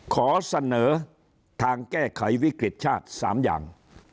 ขอเสนอทางแก้ไขวิกฤติชาติ๓อย่าง